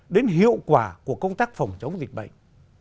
đến hiệu quả của công tác phòng chống dịch bệnh